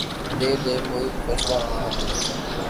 دے دے کوئی فیصلہ اپنے حق میں